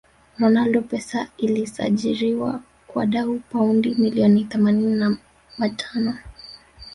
ronaldo pesa ilisajiriwa kwa dau paundi milioni themanini ma tano